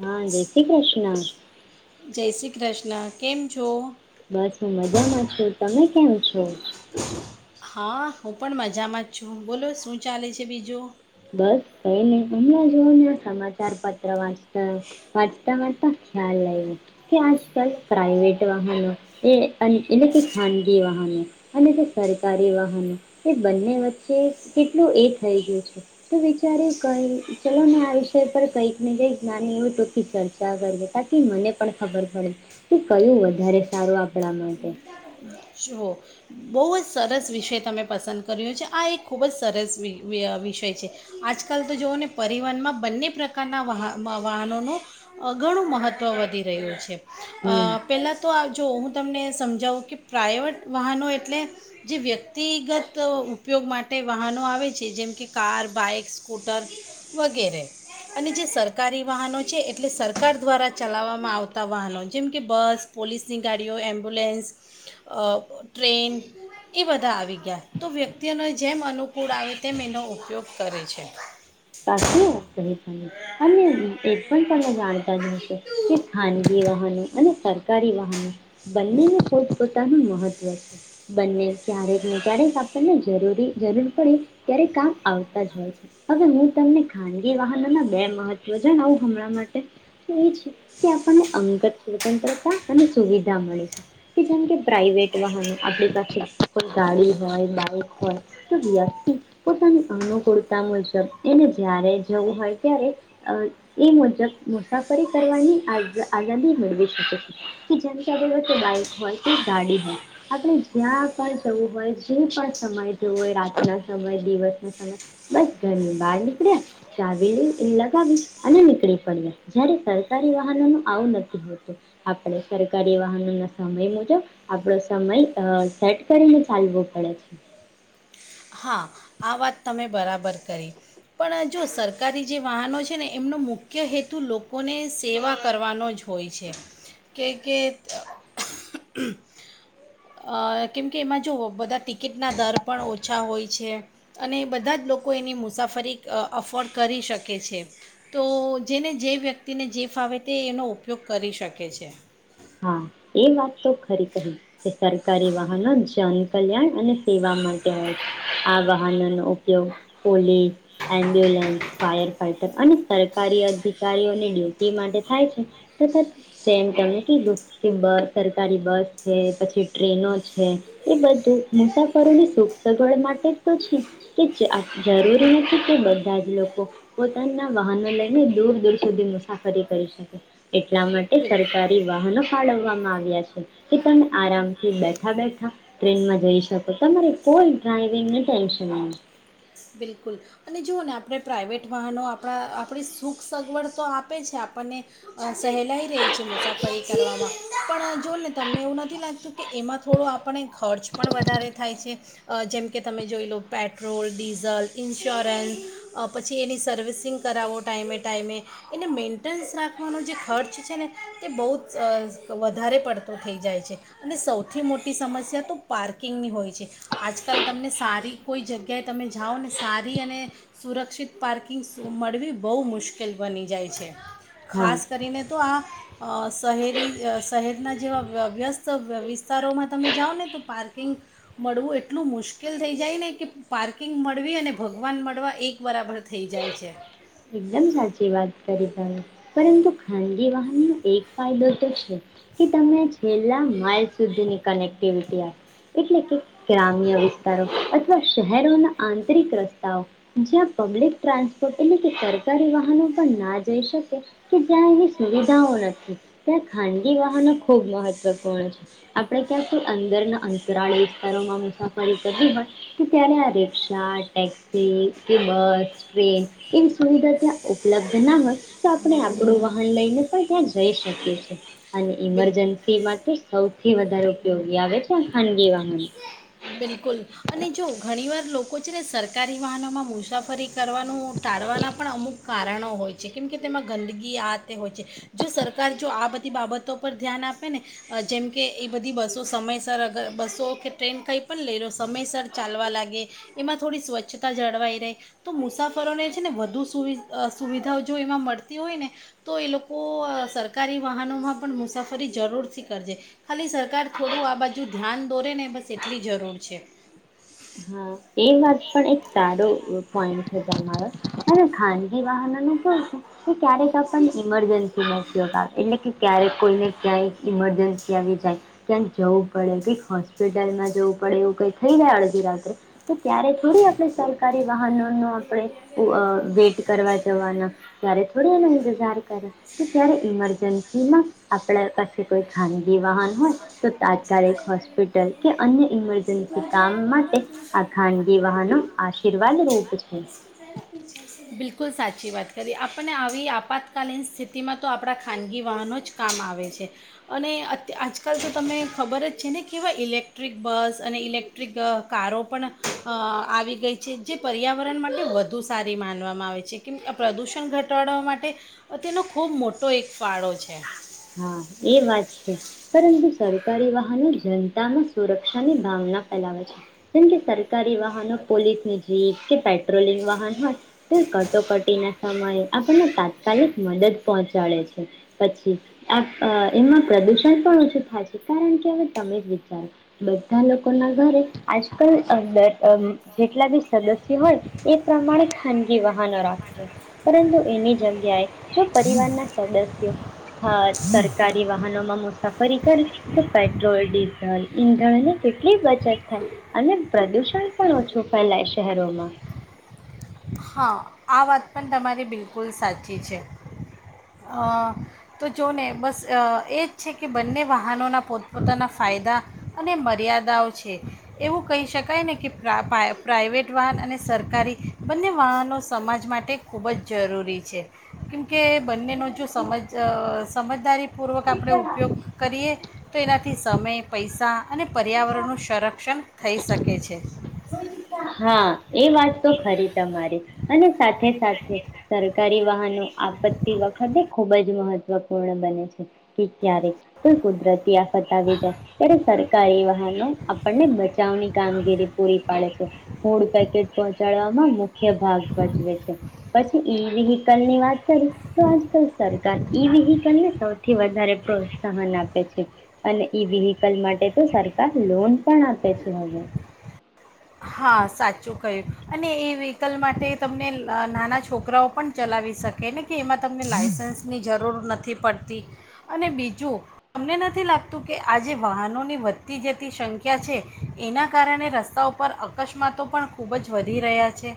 હા જય શ્રી કૃષ્ણ જય શ્રી કૃષ્ણ કેમ છો? બસ હું મજામાં છું, તમે કેમ છો હા, હું પણ મજામાં જ છું બોલો શું ચાલે છે બીજું બસ કઈ નવ હમણાં જોને સમાચાર પત્ર વાંચતા, વાંચતા, વાંચતા ખ્યાલ આવ્યો કે આજકાલ પ્રાઈવેટ વાહનો એ એટલે કે ખાનગી વાહનો અને કે સરકારી વાહનો એ બંને વચ્ચે કેટલું એ થઈ ગયું છે તો વિચાર ક ચલો ને આ વિષય પર કઈક ને કંઈક નાની એવી ટૂંકી ચર્ચા કરીએ તાકી મને પણ ખબર પડે તો કયું વધારે સારું આપણા માટે જુઓ બહુ જ સરસ વિષય તમે પસંદ કર્યો છે, આ એક ખૂબ જ સરસ વિષય છે, આજકાલ તો જુઓને પરિવહનમાં બંને પ્રકારના વાહ વાહનોનું ઘણું મહત્ત્વ વધી રહ્યું છે હમ અ પેલા તો જો હું તમને સમજાવું કે પ્રઇવેટ વાહનો એ એટલે જે વ્યક્તિગત ઉપયોગ માટે વાહનો આવે છે, જેમ કે કાર, બાઇક, સ્કૂટર વગેરે, અને જે સરકારી વાહનો છે, એટલે સરકાર દ્વારા ચલાવવામાં આવતા વાહનો જેમ કે બસ, પોલીસની ગાડીઓ, એમ્બ્યુલન્સ, અ ટ્રેન એ બધા આવી ગયા તો વ્યક્તિઓને જેમ અનુકૂળ આવે તેમ એનો ઉપયોગ કરે છે સાચી વાત કરી અને એ પણ તમે જાણતા જશો કે ખાનગી અને સરકારી વાહનો બંનેનો પોત પોતાનું મહત્વ છે બંને ક્યારેક ને ક્યારેક આપણને જરૂરી જરૂર પડે ત્યારે કામ આવતા જ હોય છે હવે હું તમને ખાનગી વાહનો ના બે મહત્વ જણાવું હમણાં માટે એ છે, કે આપણને અંગત સ્વતંત્રતા અને સુવિધા મળે છે, કે જેમ કે પ્રાઈવેટ વાહનો આપણી પાસે કોઈ ગાડી હોય બાઈક હોય તો વ્યક્તિ પોતાની અનુકૂળતા મુજબ એને જય્યારે જવું હોય ત્યારે એ મુજબ મુસાફરી કરવાની આ આઝાદી મેળવી શકે છે કે જેમ કે બોલય કે બાઈક હોય કે ગાડી હોય આપણે જ્યાં પણ જવું હોય જે પણ સમય જવો હોય રાતના સમય દિવસના સમય બસ ગમે બહાર નીકળ્યા ચાવી લગાવી અને નીકળી પડ્યા, જ્યારે સરકારી વાહનો ન આવું નથી હોતું આપણે સરકારી વાહનો ના સમય મુજબ આપણો સમય સેટ કરીને ચાલવો પડે છે હા, આ વાત તમે બરાબર કરી પણ જો સરકારી જે વાહનો છે ને એમનો મુખ્ય હેતુ લોકોને સેવા કરવાનો જ હોય છે કે કે કેમકે એમાં જો બધા ટિકિટના દર પણ ઓછા ઓછા હોય છે અને બધા જ લોકો એની મુસાફરી અફોર્ડ કરી શકે છે, તો જેને જે વ્યક્તિને જે ફાવે તે એનો ઉપયોગ કરી શકે છે હા, એ વાત તો ખરી કહી કે સરકારી વાહનો, જનકલ્યાણ અને સેવા માટે હોય છે આ વાહનોનો ઉપયોગ પોલીસ, એમ્બ્યુલન્સ, ફાયર ફાઈટર અને સરકારી અધિકારીઓની ડ્યુટી માટે થાય છે તથા જેમ તમે સરકારી બસ છે પછી ટ્રેનો છે એ બધું મુસાફરોની સુખ સગવડ માટે તો છે કે જરૂરી નથી કે બધા જ લોકો પોતાના વાહનો લઈને દૂર દૂર સુધી મુસાફરી કરી શકે એટલા માટે બિલ સરકાર વાનો ફાળવવામાં આવ્યા છે કે તમે આરામથી બેઠા બેઠા ટ્રેનમાં જઈ શકો તમારી કોઈ ડ્રાઈવિંગ ટેન્શન નહી. બિલકુલ અને જુઓ ને આપણે પ્રાઇવેટ વાહનો આપણા આપણી સુખ સગવડ તો આપે છે આપણને સહેલાઈ રહી છે મુસાફરી કરવામાં પણ જોઓ ને તમને એવું નથી લાગતું કે એમાં થોડો આપણને ખર્ચ પણ વધારે થાય છે જેમકે તમે જોઈ લો પેટ્રોલ ડીઝ- ઝલ ઇન્સ્યોરન્સ પછી એની સર્વિસિંગ કરાવો ટાઈમે ટાઈમે એને મેન્ટેનન્સ રાખવાનો જે ખર્ચ છે ને એ બહુ જ વધારે પડતો થઈ જાય છે અને સૌથી મોટી સમસ્યા તો પાર્કિંગની હોય છે આજકાલ તમને સારી કોઈ જગ્યાએ તમે જાઓને સારી અને સુરક્ષિત પાર્કિંગ મળવી બહુ મુશ્કેલ બની જાય છે. હા ખાસ કરીને તો આ શહેરી શહેરના જેવા વ્યસ્ત વિસ્તારોમાં તમે જાઓ ને તો પાર્કિંગ મળવું એટલું મુશ્કેલ થઈ જાય ને કે પાર્ક કકિંગ મળવી અને ભગવાન મળવા એક બરાબર થઈ જાય છે. એકદમ સાચી વાત કરી ત પરંતુ ખાનગી વાહનનો એક ફાયદો તો છે કે તમે છેલ્લા માઇલ સુધીની કનેક્ટિવિટી આપ એટલે કે ગ્રામ્ય વિસ્તારો અથવા શહેરોના આંતરિક રસ્તાઓ જ્યાં પબ્લિક ટ્રાન્સપોર્ટ સરકારી વાહનો પણ ના જઈ શકે કે જ્યાં એવી સુવિધાઓ નથી ત્યાં ખાનગી વાહનો ખૂબ મહત્વપૂર્ણ છે આપણે ક્યાં કોઈ અંદરના અંતરાળ વિસ્તારોમાં મુસાફરી કરવી હોય તો ત્યારે આ રિકષા, ટેક્સી કે બસ ટ્રેન એવી સુવિધા ત્યાં ઉપલબ્ધ ના હોય તો આપણે આપણું વાહન લઈને પણ ત્યાં જઈ શકીએ છ છેએ. અને બિલ ઇમરજન્સી માં તો સૌથી થી વધારે ઉપયોગી આવે છે ખાનગી વાહન કોચને સરકારી વાહનોમાં મુસાફરી કરવાનું ટાળવાનાં પણ અમુક કારણો હોય છે કેમકે તેમાં ગંદગી આ તે હોય છે જો સરકાર જો આ બધી બાબતો પર ધ્યાન આપે ને જેમકે એ બધી બસો સમયસર અગર બસો કે ટ્રેન કંઈ પણ લઈ લો સમયસર ચાલવા લાગે એમાં થોડી સ્વચ્છતા જળવાઈ રહે તો મુસાફરોને છે ને વધુ સુુવિધાઓ જો એમાં મળતી હોય ને તો એ લોકો સરકારી વાહનોમાં પણ મુસાફરી જરૂરથી કરજે ખાલી સરકાર થોડું આ બાજુ ધ્યાન દોરે ને બસ એટ કેટલી જરૂર છે. હા એ વાત પણ એક સારો પોઈન્ટ છે તમારો અને ખાનગી વાહન નું કેવું છે. કે ક્યારેક આપને ઇમરજન્સી નથી હોતા એટલે કે ક્યારેક કોઈને ક્યાંય ઈમરજન્સી આવી જાય ક્યાંક જવું પડે કઈ હોસ્પિટલમાં જવું પડે એવું કઈ થઈ જાય અડધી રાત્રે તો ત્યારે થોડી આપણે સરકારી વાહનો ન આપણે વેટ કરવા જવાના ત્યારે થોડી એનો ઇંતજાર કરે તો ત્યારે ઈમરજન્સીમાં આપણા પાસે કોઈ ખાનગી વાહન હો તો તાત્કાલિક હોસ્પિટલ કે અન્ય ઇમરજન્સી કામ માટે આ ખાનગી વાહ ન આશીર્વાદ રૂપ છે. બિલકુલ સાચી વાત કરી આપણને આવી આપાતકાલીન સ્થિતિમાં તો આપણા ખાનગી વાહનો જ કામ આવે છે અને આજ આકાલ તો તને ખબર જ છે ને કેવા ઇલેક્ટ્રિક બસ અને ઇલેક્ટ્રિક કારો પણ આવી ગઈ છે જે પર્યાવરણ માટે વધુ સારી માનવામાં આવે છે કેમ આ પ્રદૂષણ ઘટાડવા માટે તેનો ખૂબ મોટો એક ફાળો છે. હા એ વાત છે પરંતુ સરકારી વાહનો જનતામાં સુરક્ષાની ભાવના ફેલાવે છે જેમ કે સરકારી વાહનો પોલીસની જીપ કે પેટ્રોલિંગ વાહન હોય તો કટોકટીના સમયે આપણને તાત્કાલિક મદદ પહોંચાડે છે પછી. અ એમાં પ્રદુષણ પણ ઓછું થાય છે કારણ કે હવે તમે જ વિચારો બધા લોકોના ઘરે આજકાલર જેટલા બી સદસ્યો હોય એ પ્રમાણે ખાનગી વાહનો રાખે છે પરંતુ એની જગ્યાએ જો પરિવારના સદસ્યો સરકારી વાહનોમાં મુસાફરી કર તો પેટ્રોલ ડીઝલ ઈંધણની કેટલી બચત થાય અને પ્રદુષણ પણ ઓછું ફેલાય શહેરોમાં હા આ વાત પણ તમારી બિલકુલ સાચી છે તો જો ને બસ એ જ છે કે બંને વાહનોના પોતપોતાના ફાયદા અને મર્યાદાઓ છે એવું કહી શકાય ને કે પ્રાઇવેટ વાહન અને સરકારી બંને વાહનો સમાજ માટે ખૂબ જ જરૂરી છે કેમકે બંનેનો જો સમજ સમજદારીપૂર્વક આપણે ઉપયોગ કરીએ તો એનાથી સમય પૈસા અને પર્યાવરણનું સંરક્ષણ થઈ શકે છે. હા. એ વાત તો ખરી તમારી અને સાથે સાથે સરકારી વાહનો આપત્તી વખતે ખૂબ જ મહત્વપૂર્ણ બને છે કે ક્યારે કોઈ કુદરતી આફત આવી જાય ત્યારે સરકારી વાહનો આપણને બચાવની કામગીરી પૂરી પાડે છે. ફૂડ પેકેટ પહોંચાડવામાં મુખ્ય ભાગ ભજવે છે પછી ઈ વેહિકલની વાત કરી તો આજકાલ સરકાર ઈ વેહિકલને સૌથી વધારે પ્રોત્સાહન આપે છે અને ઈ વેહિકલ માટે તો સરકાર લોન પણ આપે છે હવે હા સાચું કહ્યું અને ઇ વ્હીકલ માટે તમને નાના છોકરાઓ પણ ચલાવી શકેને કે એમાં તમને લાયસન્સની જરૂર નથી પડતી અને બીજું તમને નથી લાગતું કે આજે વાહનોની વધતી જતી સંખ્યા છે એના કારણે રસ્તાઓ પર અકસ્માતો પણ ખૂબ જ વધી રહ્યા છે.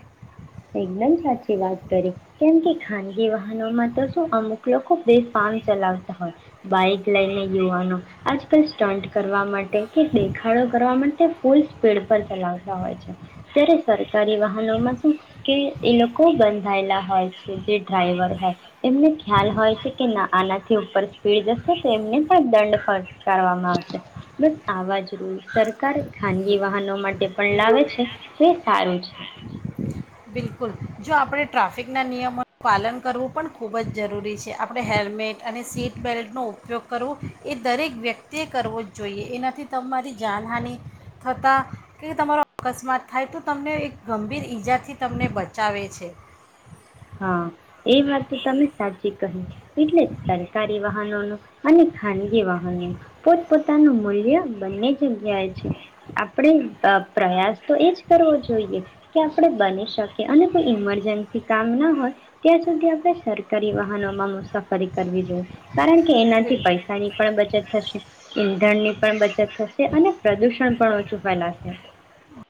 એકદમ સાચી વાત કરી કેમ કે ખાનગી [unintelligible] તો શું અમુક લોકો બેફામ ચલાવતા હોય બાઈક લઈને યુવાનો આજકાલ સ્ટન્ટ કરવા [unintelligible] [unintelligible] દેખાડો કરવા માટે ફૂલ પેડ પર ચલાવતા હોય છે ત્યારે સરકારી વાહનોમાં શું કે એ લોકો બંધાયેલા હોય છે. જે ડ્રાઈવર હોય એમને ખ્યાલ હોય. [unintelligible] કે ના આનાથી ઉપર સ્પીડ જશે તો એમને પણ દંડ ફકારવામાં આવશે, બસ આવા જ રૂ સરકાર ખાનગી વાહનો માટે પણ લાવે છે તો એ સારું છે. બિલકુલ જો આપણે ટ્રાફિકના નિયમોનું પાલન કરવું પણ ખૂબ જ જરૂરી છે, આપણે હેલ્મેટ અને સીટબલ્ટનો ઉપયોગ કરવો એ દરેક વ્યક્તિએ કરવો જ જોઈએ એનાથી તમારી જાનહાની થતાં કે તમારો અકસ્માત થાય તો તમને એક ગંભીર ઈજાથી. તમને બચાવે છે. હા એ વાત તો તમે સાચી કહી એટલે જ સરકારી વાહનોનું અને ખાન વાહનો એ પોતપતાનું મુ એ આ બંને [unintelligible] જાય છે આપડે અ પ્રયાસ તો એજ કરવો જોઈએ કે આપણે બની શકીએ અને કોઈ ઇમરજન્સી કામ ના હોય ત્યાં સુધી આપણે સરકારી વાહનોમા ફરી કરવી જોઈએ. કારણ કે એનાથી બિલકુલ પૈસાની પણ બચત થશે. ધનની પણ બચત થશે અને પ્રદૂષણ પણ ઓછું ફેલાશે.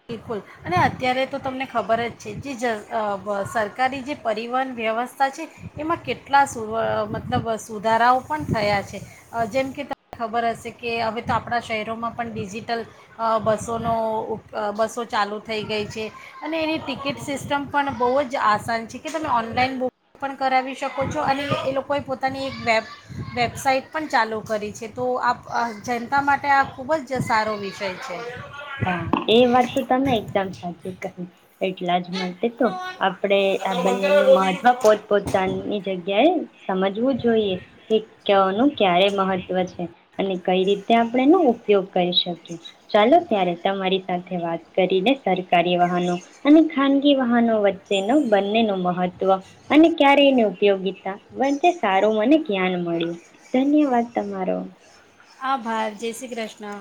બિલકુલ અને અત્યારે તો તમને ખબર જ છે જે સરકારી જે પરિવહન વ્યવસ્થા છે એમાં કેટલા સુ મતલબ સુધારાઓ પણ થયા છે, જેમ કે તમને ખબર હશે કે હવે તો આપણાં શહેરોમાં પણ ડિજિટલ બસોનો બસો ચાલુ થઈ ગઈ છે અને એની ટિકિટ સિસ્ટમ પણ બહુ જ આસાન છે, કે તમે ઓનલાઈન બુક પણ કરાવી શકો છો અને એ લોકોએ પોતાની એક વેબ વેબ વેબસાઇટ પણ ચાલુ કરી છે તો આ આ જનતા માટે આ ખૂબ જ સારો વિષય છે. હા. એ વાત તો તમને એકદમ સાચી [inaudible] એટલા જ માટે તો આપણેે આ તારું બંધ બંને કર હવે નું બહુ થઈ ગયું મહત્વ ઘરમાં. પોતપોતાની જગ્યાએ સમજવું જોઈએ કે કયોનું ક્યારે મહત ત્વ છે અને કઈ રીતે આપણે એનો ઉપયોગ કરી શકીએ. ચાલો ત્યારે તમારી સાથે વાત કરીને સરકારી વાહનો અને ખાનગી વાહનો વચ્ચે નું બંને નું મહત્વ અને ક્યારે એની ઉપયોગીતા વચ્ચે સારું મને જ્ઞાન મળ્યું. ધન્યવાદ તમારો. આભાર, જય શ્રી કૃષ્ણા.